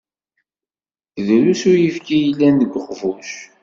Drusn uyefki i yellan deg uqbuc.